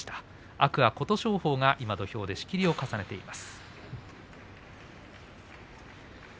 天空海、琴勝峰が土俵上の仕切りを続けています。